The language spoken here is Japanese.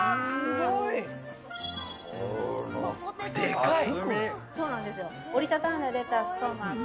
でかい。